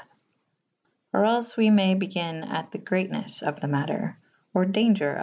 Or els we may begyn at the gretenw '' of the mater / or dau^zger of.